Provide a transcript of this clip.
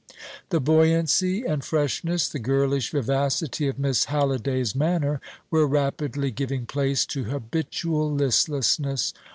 The buoyancy and freshness, the girlish vivacity of Miss Halliday's manner, were rapidly giving place to habitual listlessness.